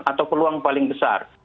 atau peluang paling besar